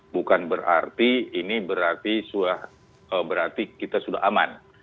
bukan berarti ini berarti kita sudah aman